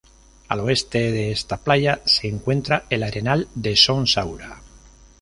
Al oeste de esta playa se encuentra el Arenal de Son Saura.